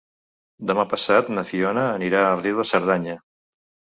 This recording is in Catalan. Demà passat na Fiona anirà a Riu de Cerdanya.